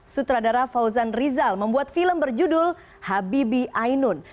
sutradara fauzan rizal membuat film berjudul habibi ainun